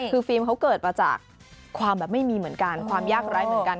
คือฟิล์มเขาเกิดมาจากความแบบไม่มีเหมือนกันความยากไร้เหมือนกัน